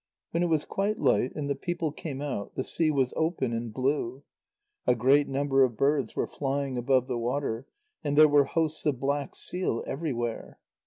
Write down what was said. When it was quite light, and the people came out, the sea was open and blue. A great number of birds were flying above the water, and there were hosts of black seal everywhere.